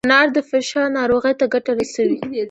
انار د فشار ناروغۍ ته ګټه رسوي.